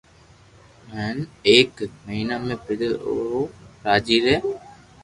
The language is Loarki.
ھين ايڪ مھينا ۾ پيدل او راجي ري